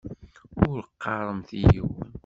Ur qqaṛemt i yiwen.